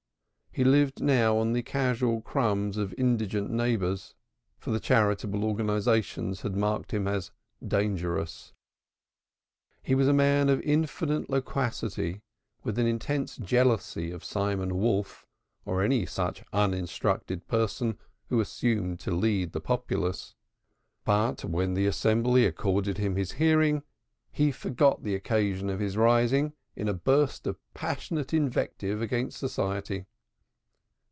He lived now on the casual crumbs of indigent neighbors, for the charitable organizations had marked him "dangerous." He was a man of infinite loquacity, with an intense jealousy of Simon Wolf or any such uninstructed person who assumed to lead the populace, but when the assembly accorded him his hearing he forgot the occasion of his rising in a burst of passionate invective against society.